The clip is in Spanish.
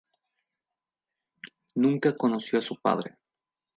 Nunca conoció a su padre.